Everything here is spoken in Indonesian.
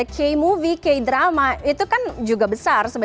k movie k drama itu kan juga besar